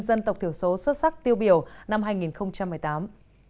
dân tộc thiểu số xuất sắc tiêu biểu năm hai nghìn một mươi tám